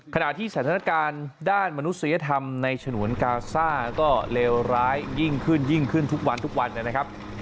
ขณะที่สถานการณ์ด้านมนุษยธรรมในฉนวนกาซ่าก็เลวร้ายยิ่งขึ้นยิ่งขึ้นทุกวันทุกวันนะครับ